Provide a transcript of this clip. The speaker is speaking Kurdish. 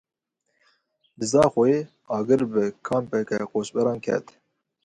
Li Zaxoyê Agir bi kampeke koçberan ket.